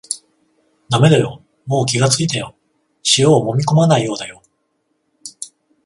だめだよ、もう気がついたよ、塩をもみこまないようだよ